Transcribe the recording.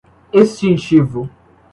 extintivo